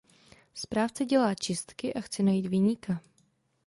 Správce dělá "čistky" a chce najít viníka.